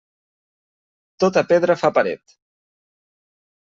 Tota pedra fa paret.